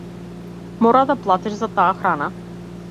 Мора да платиш за таа храна.